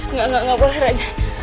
nggak nggak nggak boleh raja